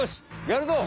やるぞ！